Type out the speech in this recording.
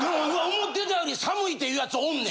思ってたより寒い！って言う奴おんねん。